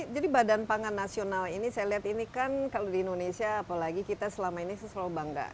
jadi badan pangan nasional ini saya lihat ini kan kalau di indonesia apalagi kita selama ini selalu bangga